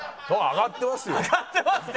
「上がってます」って。